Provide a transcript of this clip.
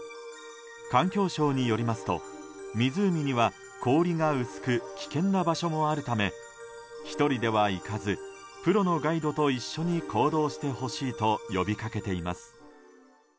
環境省によりますと、湖には氷が薄く危険な場所もあるため１人では行かず、プロのガイドと一緒に行動してほしいと呼びかけています。